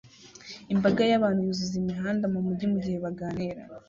Imbaga y'abantu yuzuza imihanda mumujyi mugihe baganira